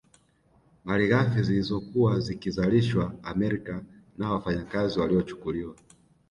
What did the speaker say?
Malighafi zilizokuwa zikizalishwa Amerika na wafanyakazi waliochukuliwa